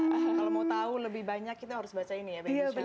kalau mau tahu lebih banyak kita harus baca ini ya